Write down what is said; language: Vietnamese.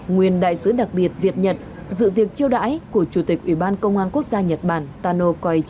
nguyên đại sứ đặc biệt việt nhật dự tiệc chiêu đãi của chủ tịch ủy ban công an quốc gia nhật bản tano coi